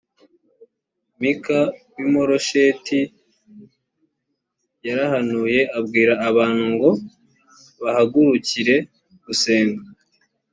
mika w ‘i moresheti yarahanuye abwira abantu ngo bahagurukire gusenga.